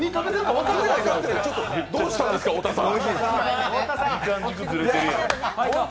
どうしたんですか、太田さん！